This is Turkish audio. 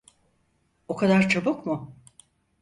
O kadar çabuk mu?